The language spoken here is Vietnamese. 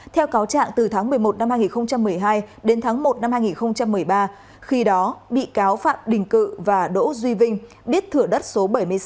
theo cáo trạng từ tháng một mươi một năm hai nghìn một mươi hai đến tháng một năm hai nghìn một mươi ba khi đó bị cáo phạm đình cự và đỗ duy vinh biết thửa đất số bảy mươi sáu